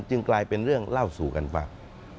กลายเป็นเรื่องเล่าสู่กันฟัง